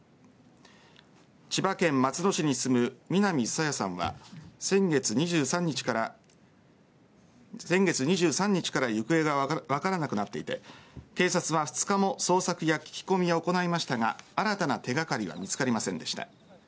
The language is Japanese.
千葉県松戸市に住む南朝芽さんは先月２３日から行方が分からなくなっていて警察は２日も捜索や聞き込みを行いましたが新たな手がかりは見つかりませんでした。